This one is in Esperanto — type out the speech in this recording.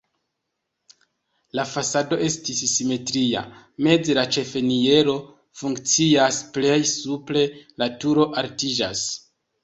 La fasado estis simetria, meze la ĉefenirejo funkcias, plej supre la turo altiĝas.